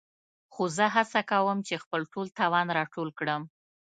خو زه هڅه کوم خپل ټول توان راټول کړم.